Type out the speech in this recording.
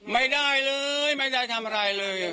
ไม่ได้เลยไม่ได้ทำอะไรเลย